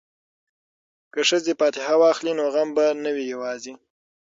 که ښځې فاتحه واخلي نو غم به نه وي یوازې.